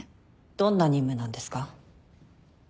どんな任務なんですか？